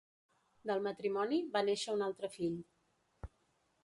Del matrimoni va néixer un altre fill.